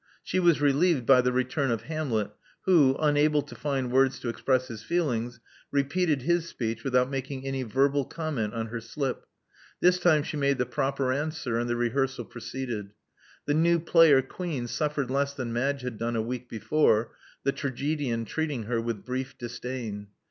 She was relieved by the return of Hamlet, who, unable to find words to express his feelings, repeated his speech without making any verbal com ment on her slip. This time she made the proper answer; and the rehearsal proceeded. The new player queen suffered less than Madge had done a week before, the tragedian treating her with brief disdain.